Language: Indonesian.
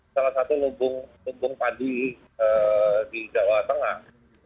salah satu lumbung pandi di jawa tengah